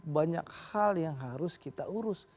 banyak hal yang harus kita urus